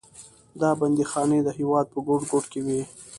دا بندیخانې د هېواد په ګوټ ګوټ کې وې.